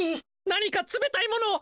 なにかつめたいものを！